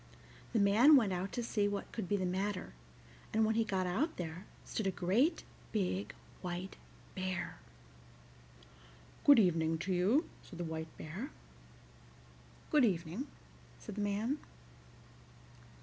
The man went out to see what could be the matter, and when he got out there stood a great big white bear. "Good evening to you," said the White Bear. "Good evening," said the man.